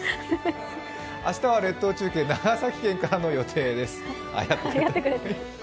明日は列島中継、長崎県からの予定です。